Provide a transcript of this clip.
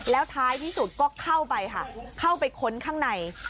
แล้วท้ายที่สุดก็เข้าไปค่ะเข้าไปค้นข้างใน